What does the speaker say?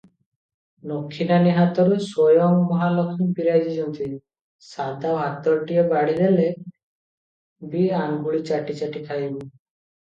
ନଖି ନାନୀ ହାତରେ ସ୍ୱୟଂ ମହାଲକ୍ଷ୍ମୀ ବିରାଜନ୍ତି, ସାଧା ଭାତ ଟିକିଏ ବାଢ଼ିଦେଲେ ବି ଆଙ୍ଗୁଠି ଚାଟି ଚାଟି ଖାଉଥିବୁ